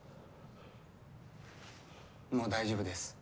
もう大丈夫です。